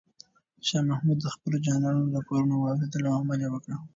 شاه محمود د خپلو جنرالانو راپورونه واورېدل او عمل یې وکړ.